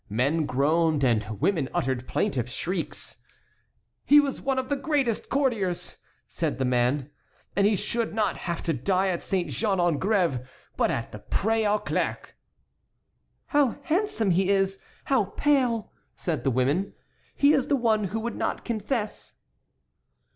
Men groaned and women uttered plaintive shrieks. "He was one of the greatest courtiers!" said the men; "and he should not have to die at Saint Jean en Grève, but at the Pré aux Clercs." "How handsome he is! How pale!" said the women; "he is the one who would not confess."